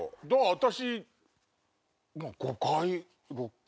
私。